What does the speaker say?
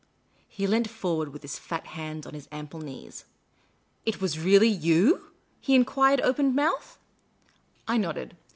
He leant forward with his fat hands on his ample knees. " It was reaWy you f " he enquired, open mouthed. I nodded.